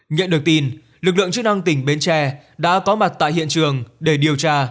nhận được tin lực lượng chức năng tỉnh bến tre đã có mặt tại hiện trường để điều tra